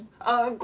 ああ！